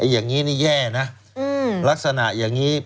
อย่างนี้นี่แย่นะลักษณะอย่างนี้